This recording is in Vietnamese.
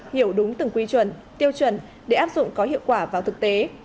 hiểu đúng từng quy chuẩn tiêu chuẩn để áp dụng có hiệu quả vào thực tế